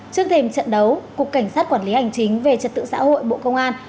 trước thêm trận đấu cục cảnh sát quản lý hành chính về trật tự xã hội bộ công an